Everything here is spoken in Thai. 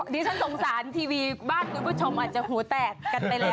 ดิฉันสงสารทีวีบ้านคุณผู้ชมอาจจะหัวแตกกันไปแล้ว